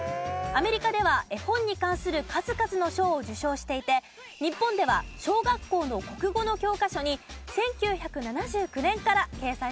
アメリカでは絵本に関する数々の賞を受賞していて日本では小学校の国語の教科書に１９７９年から掲載されています。